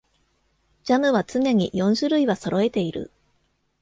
ジャムは常に四種類はそろえている